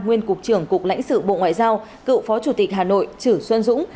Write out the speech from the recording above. nguyên cục trưởng cục lãnh sự bộ ngoại giao cựu phó chủ tịch hà nội chử xuân dũng